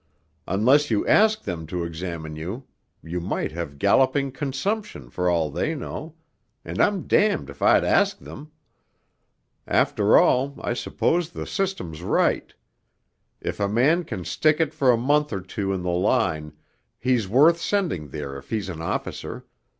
Unless you ask them to examine you you might have galloping consumption for all they know, and I'm damned if I'd ask them.... After all, I suppose the system's right.... If a man can stick it for a month or two in the line, he's worth sending there if he's an officer